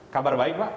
kabar baik pak